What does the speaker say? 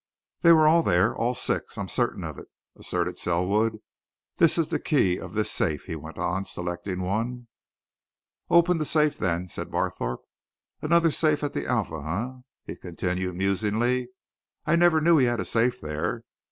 "They were all there all six. I'm certain of it," asserted Selwood. "This is the key of this safe," he went on, selecting one. "Open the safe, then," said Barthorpe. "Another safe at the Alpha, eh?" he continued, musingly. "I never knew he had a safe there.